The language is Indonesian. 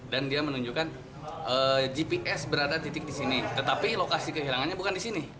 dia menunjukkan gps berada titik di sini tetapi lokasi kehilangannya bukan di sini